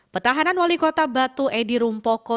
petahanan wali kota batu edi rumpoko